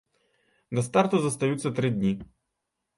Да старту застаюцца тры дні.